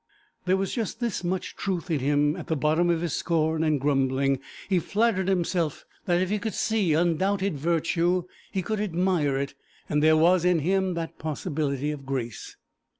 There was just this much truth in him at the bottom of his scorn and grumbling he flattered himself that if he could see undoubted virtue he could admire it; and there was in him that possibility of grace.